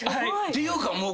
ていうかもう。